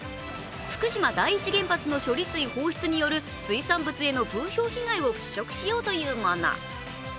福島第一原発の処理水放出による水産物への風評被害を払拭しようというもの。